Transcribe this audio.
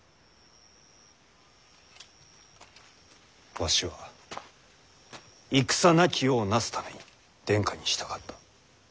わしは戦なき世をなすために殿下に従った。